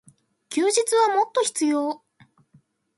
休日はもっと必要。